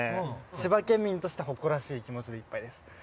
千葉県民として誇らしい気持ちでいっぱいです。